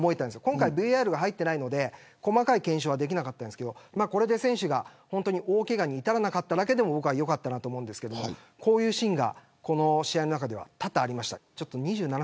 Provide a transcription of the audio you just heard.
今回はＶＡＲが入っていないので細かい検証はできなかったんですけどこれで選手が大けがに至らなかっただけでも良かったなと思うんですけどこういうシーンがこの試合の中では多々ありました。